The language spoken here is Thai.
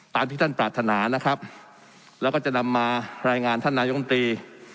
ที่ท่านปรารถนานะครับแล้วก็จะนำมารายงานท่านนายมตรี